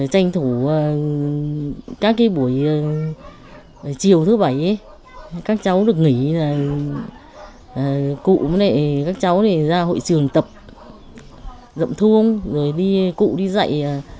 tranh thủ các cái buổi chiều thứ bảy các cháu được nghỉ cụ các cháu ra hội trường tập rậm thuông rồi cụ đi dạy